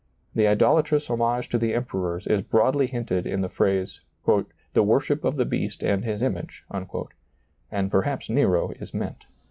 The idol atrous homage to the emperors is broadly hinted in the phrase, " the worship of the beast and his image," and perhaps Nero is meant.